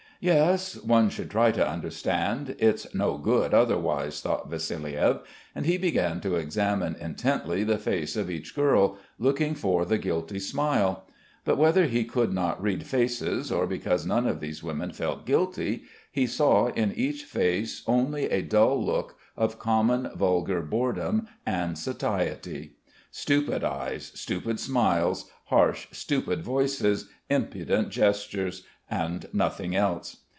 "Yes, one should try to understand. It's no good, otherwise," thought Vassiliev, and he began to examine intently the face of each girl, looking for the guilty smile. But whether he could not read faces or because none of these women felt guilty he saw in each face only a dull look of common, vulgar boredom and satiety. Stupid eyes, stupid smiles, harsh, stupid voices, impudent gestures and nothing else.